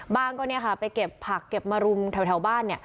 ไปเก็บผักเก็บมารุมแถวบ้าน